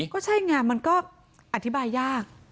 ก็ใช่ไงมันก็อธิบายยาก